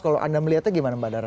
kalau anda melihatnya gimana mbak dara